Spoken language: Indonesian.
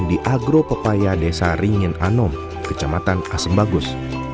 di agro pepaya desa ringin anom kecamatan asembagus